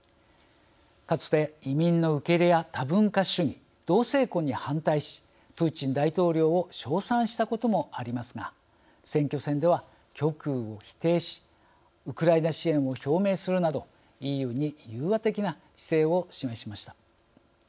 かつて、移民の受け入れや多文化主義、同性婚に反対しプーチン大統領を称賛したこともありますが選挙戦では極右を否定しウクライナ支援を表明するなどＥＵに融和的な姿勢を示しました。